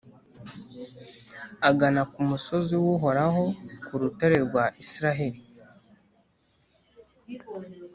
agana ku musozi w’Uhoraho, ku rutare rwa Israheli.